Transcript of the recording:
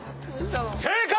正解！